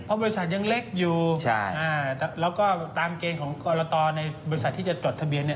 เพราะบริษัทยังเล็กอยู่แหละก็ตามเกณฑ์ของคอโลตอร์ในทะเบียน